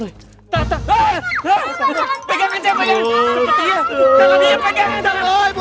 hei buat buat hati hati